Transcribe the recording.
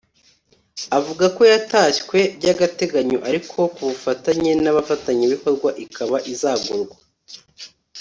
avuga ko yatashywe by’agateganyo ariko ku bufatanye n’abafatanyabikorwa ikaba izagurwa